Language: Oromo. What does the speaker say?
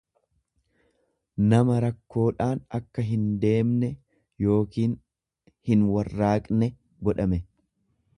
nama rakkoodhaan akka hindeemne yookiin hinwarraaqne godhame.